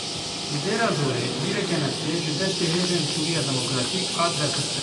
Li Dêrazorê bîreke neftê ji destê Hêzên Sûriya Demokratîk hat derxistin.